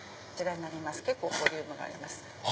結構ボリュームがあります。